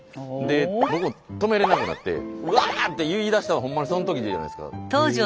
で僕止めれなくなってうわ！って言いだしたのほんまにそのときじゃないですか。